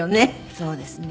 そうですね。